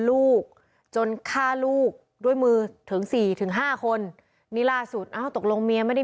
ลูกจนฆ่าลูกด้วยมือถึง๔๕คนนี้ล่าสุดตกลงเมียไม่ได้